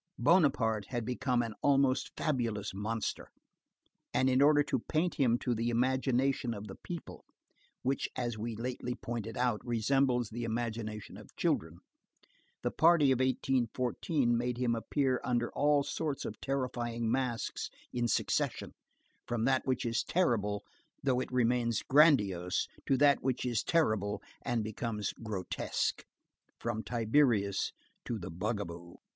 Bonaparte had become an almost fabulous monster, and in order to paint him to the imagination of the people, which, as we lately pointed out, resembles the imagination of children, the party of 1814 made him appear under all sorts of terrifying masks in succession, from that which is terrible though it remains grandiose to that which is terrible and becomes grotesque, from Tiberius to the bugaboo.